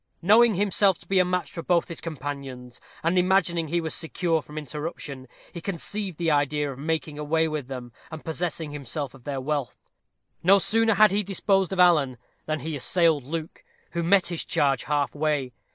Knowing himself to be a match for both his companions, and imagining he was secure from interruption, he conceived the idea of making away with them, and possessing himself of their wealth. No sooner had he disposed of Alan, than he assailed Luke, who met his charge half way.